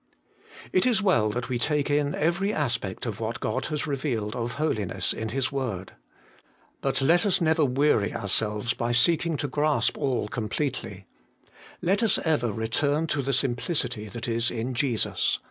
3. It is well that we take in every aspect of what God has revealed of holiness in His word. But let us never weary ourselves by seeking to grasp all completely. Let us even return to the simplicity that is in Jesus.